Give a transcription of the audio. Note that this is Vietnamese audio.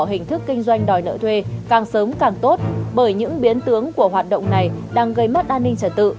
hình thức kinh doanh đòi nợ thuê càng sớm càng tốt bởi những biến tướng của hoạt động này đang gây mất an ninh trả tự